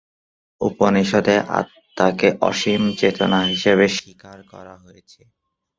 উপনিষদে আত্মাকে অসীম চেতনা হিসেবে স্বীকার করা হয়েছে।